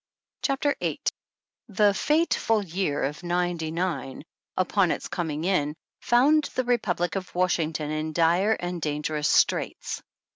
CHAPTER VIIL The Fateful year of '99'' upon its coming in, found the Republic of Washington in dire and dan gerous straits.